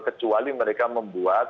kecuali mereka membuat